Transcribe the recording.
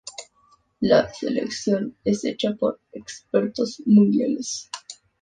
La selección es hecha por expertos mundiales.